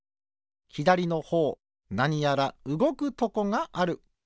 ひだりのほうなにやらうごくとこがある。